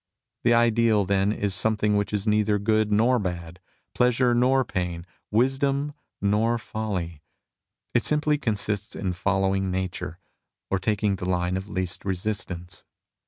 The ideal then is something which is neither good nor bad, pleasure nor pain, wis dom nor folly ; it simply consists in following nature, or taking the line of least resistance.